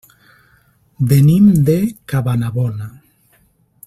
Venim de Cabanabona.